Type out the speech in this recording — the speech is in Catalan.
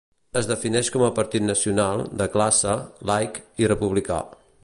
Es defineix com a partit nacional, de classe, laic i republicà.